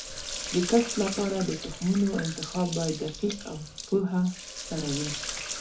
د کښت لپاره د تخمونو انتخاب باید دقیق او پوهه سره وي.